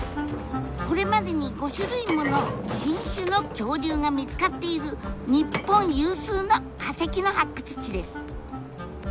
これまでに５種類もの新種の恐竜が見つかっている日本有数の化石の発掘地です。